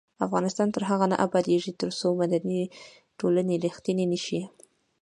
افغانستان تر هغو نه ابادیږي، ترڅو مدني ټولنې ریښتینې نشي.